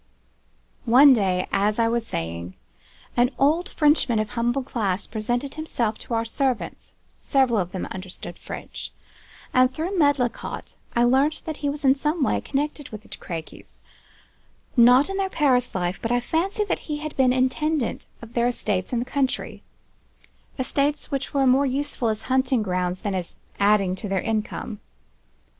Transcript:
One day, as I was saying, an old Frenchman of a humble class presented himself to our servants, several of them, understood French; and through Medlicott, I learnt that he was in some way connected with the De Crequys; not with their Paris life; but I fancy he had been intendant of their estates in the country; estates which were more useful as hunting grounds than as adding to their income.